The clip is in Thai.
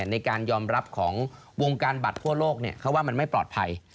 ในการยอมรับของวงการบัตรทั่วโลกเขาว่ามันไม่ปลอดภัย